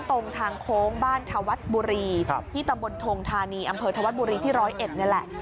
ตรงทางโค้งบ้านธวัฒน์บุรีที่ตำบลทงธานีอำเภอธวัฒนบุรีที่๑๐๑นี่แหละ